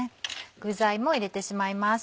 具材も入れてしまいます。